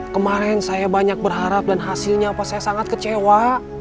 kemarin saya banyak berharap dan hasilnya saya sangat kecewa